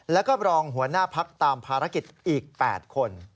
แล้วก็รองหัวหน้าพักตามภารกิจอีก๘คน